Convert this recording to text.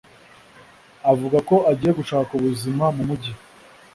avuga ko agiye gushaka ubuzima mu mujyi